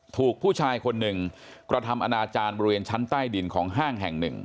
ถูกผู้ชายคนหนึ่งกระทำอนาจารย์บริเวณชั้นใต้ดินของห้างแห่งหนึ่ง